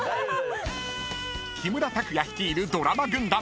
［木村拓哉率いるドラマ軍団］